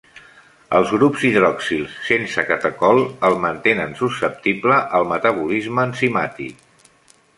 Els grups hidroxils sense catecol el mantenen susceptible al metabolisme enzimàtic.